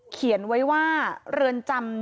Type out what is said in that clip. เขียนไว้ว่าเรือนจำ